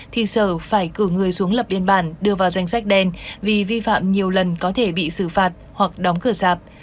thì sở phải cử người xuống lập biên bản đưa vào danh sách đen vì vi phạm nhiều lần có thể bị xử phạt hoặc đóng cửa sạp